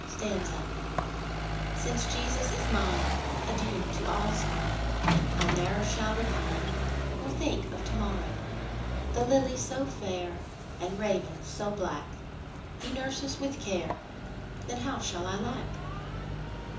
Since Jesus is mine, Adieu to all sorrow; I ne'er shall repine, Nor think of to morrow: The lily so fair, And raven so black, He nurses with care, Then how shall I lack?